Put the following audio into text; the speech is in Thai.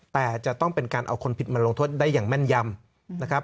แต่จะต้องเป็นการเอาคนผิดมาลงโทษได้อย่างแม่นยำนะครับ